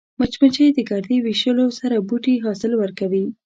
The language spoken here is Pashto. مچمچۍ د ګردې ویشلو سره بوټي حاصل ورکوي